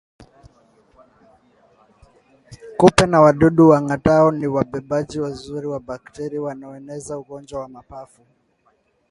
Kupe na wadudu wangatao ni wabebaji wazuri wa bakteria wanaoeneza ugonjwa wa mapafu